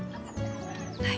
はい。